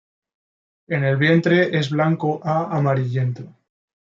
En el vientre es blanco a amarillento.